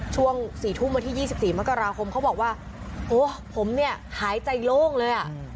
ช่วง๔ทุ่มวันที่๒๔มกราคมเขาบอกว่าโอ้ผมเนี่ยหายใจโล่งเลยอ่ะ